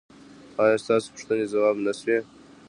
ایا ستاسو پوښتنې ځواب نه شوې؟